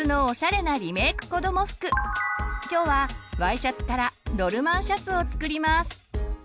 今日はＹシャツから「ドルマンシャツ」を作ります。